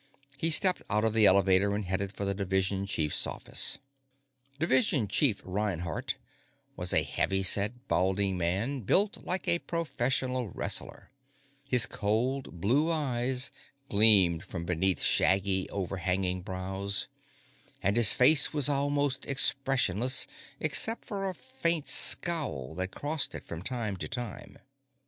He stepped out of the elevator and headed for the Division Chief's office. Division Chief Reinhardt was a heavy set, balding man, built like a professional wrestler. His cold blue eyes gleamed from beneath shaggy, overhanging brows, and his face was almost expressionless except for a faint scowl that crossed it from time to time.